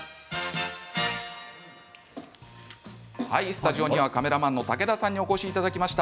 スタジオにはカメラマンの武田さんにお越しいただきました。